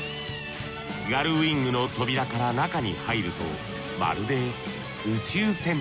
ガルウイングの扉から中に入るとまるで宇宙船。